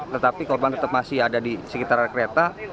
tetapi korban tetap masih ada di sekitar kereta